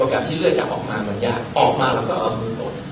โอกาสที่เลือดจะออกมามันยากออกมาเราเอามือขน